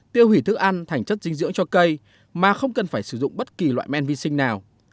tiêu hủy thức ăn thành chất dinh dưỡng cho cây mà không cần phải sử dụng bất kỳ loại men vi sinh nào